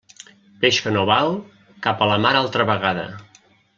Peix que no val, cap a la mar altra vegada.